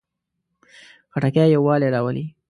خټکی یووالی راولي.